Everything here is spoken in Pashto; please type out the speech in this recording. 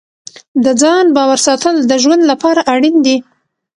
د ځان باور ساتل د ژوند لپاره اړین دي.